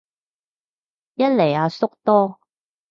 一嚟阿叔多